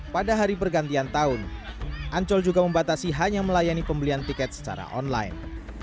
pada hari pergantian tahun ancol juga membatasi hanya melayani pembelian tiket secara online